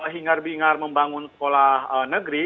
hingar bingar membangun sekolah negeri